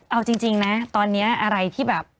เอาจริงนะตอนนี้อะไรที่แบบ